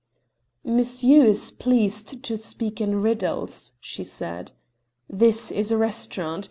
"Monsieur is pleased to speak in riddles," she said. "This is a restaurant.